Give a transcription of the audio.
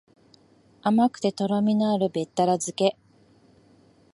甘くてとろみのあるべったら漬け